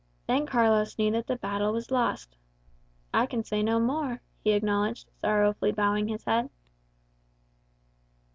Then Carlos knew that the battle was lost. "I can say no more," he acknowledged, sorrowfully bowing his head.